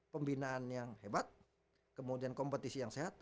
pembinaan yang hebat kemudian kompetisi yang sehat